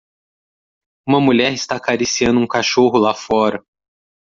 Uma mulher está acariciando um cachorro lá fora.